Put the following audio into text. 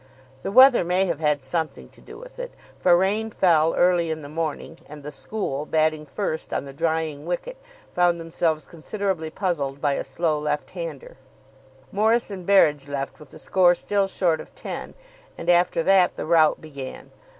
The weather may have had something to do with it, for rain fell early in the morning, and the school, batting first on the drying wicket, found themselves considerably puzzled by a slow left hander. Morris and Berridge left with the score still short of ten, and after that the rout began.